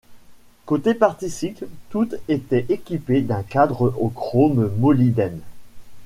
Côté partie cycle, toutes était équipées d'un cadre au chrome-molybdène.